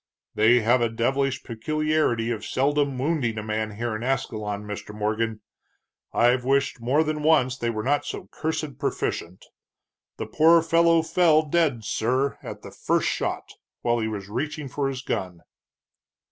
"They have a devilish peculiarity of seldom wounding a man here in Ascalon, Mr. Morgan. I've wished more than once they were not so cursed proficient. The poor fellow fell dead, sir, at the first shot, while he was reaching for his gun."